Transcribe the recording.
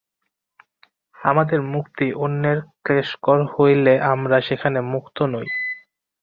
আমাদের মুক্তি অন্যের ক্লেশকর হইলে আমরা সেখানে মুক্ত নই।